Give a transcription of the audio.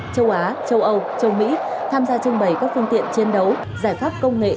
châu á châu âu châu mỹ tham gia trưng bày các phương tiện chiến đấu giải pháp công nghệ